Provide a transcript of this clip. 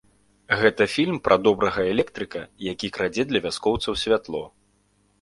Гэта фільм пра добрага электрыка, які крадзе для вяскоўцаў святло.